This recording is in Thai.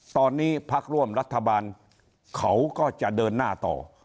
ตอนนี้พักร่วมรัฐบาลเขาก็จะเดินหน้าต่อ